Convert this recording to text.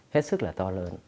hết sức là to lớn